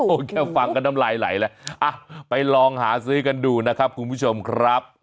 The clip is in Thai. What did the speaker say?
แค่ฟังก็น้ำลายไหลแล้วอ่ะไปลองหาซื้อกันดูนะครับคุณผู้ชมครับ